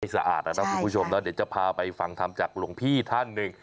สะอาดนะคุณผู้ชมนะเดี๋ยวจะพาไปฟังทำจากหลวงพี่ท่านหนึ่ง